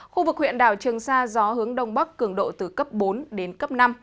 khu vực huyện đảo trường sa gió hướng đông bắc cường độ từ cấp bốn đến cấp năm